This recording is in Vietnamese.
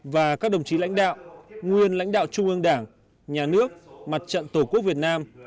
và các đồng chí lãnh đạo nguyên lãnh đạo trung ương đảng nhà nước mặt trận tổ quốc việt nam